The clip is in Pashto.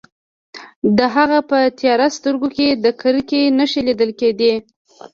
د هغه په تیاره سترګو کې د کرکې نښې لیدل کیدې